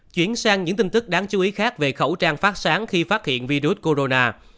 chuyển sang những tin tức đáng chú ý khác về khẩu trang phát sáng khi phát hiện virus corona